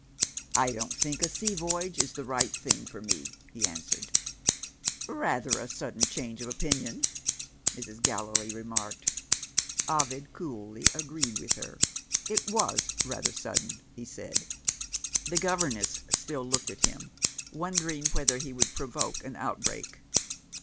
"I don't think a sea voyage is the right thing for me," he answered. "Rather a sudden change of opinion," Mrs. Gallilee remarked. Ovid coolly agreed with her. It was rather sudden, he said. The governess still looked at him, wondering whether he would provoke an outbreak.